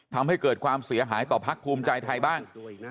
ทำให้เกิดความเสียหายต่อพักภูมิใจไทยบ้าง